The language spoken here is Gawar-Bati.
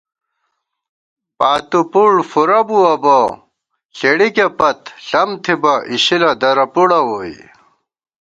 پاتُو پُڑ فُورہ بُوَہ بہ ݪېڑِکے پت ، ݪم تھِبہ اِشِلہ درہ پُڑہ ووئی